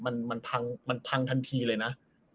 มันทังทันทีเลยนะ